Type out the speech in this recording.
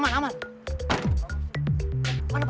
makan aja lu cepet